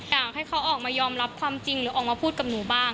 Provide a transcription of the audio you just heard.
อยากให้เขาออกมายอมรับความจริงหรือออกมาพูดกับหนูบ้าง